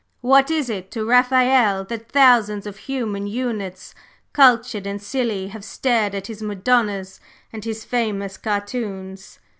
What is it to Raphael that thousands of human units, cultured and silly, have stared at his 'Madonnas' and his famous Cartoons?"